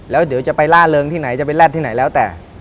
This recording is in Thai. แล้วเดี๋ยวจะไปล่าเริงที่ไหนจะไปแรดที่ไหนแล้วแต่